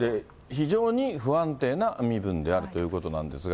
非常に不安定な身分であるということなんですが。